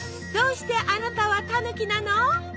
どうしてあなたはたぬきなの？